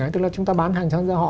tức là chúng ta bán hàng trăm do họ